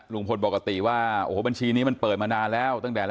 ลุงพลบอกว่าบัญชีคือก็เปิดมานานแล้ว